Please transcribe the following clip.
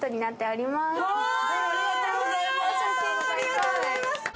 ありがとうございます